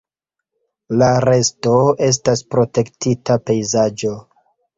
La resto estas protektita pejzaĝo.